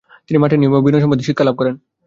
তিনি মঠের নিয়ম ও বিনয় সম্বন্ধে শিক্ষালাভ করেন।